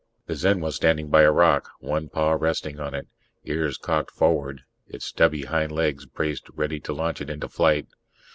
The Zen was standing by a rock, one paw resting on it, ears cocked forward, its stubby hind legs braced ready to launch it into flight.